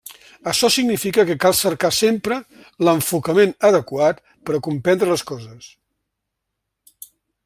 Açò significa que cal cercar sempre l'enfocament adequat per a comprendre les coses.